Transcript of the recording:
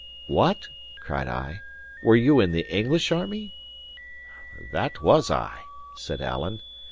"What," cried I, "were you in the English army?" "That was I," said Alan.